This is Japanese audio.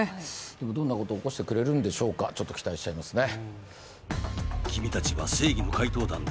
でもどんなことを起こしてくれるんでしょうか期待しちゃいますね